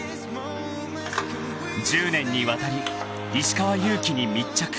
［１０年にわたり石川祐希に密着］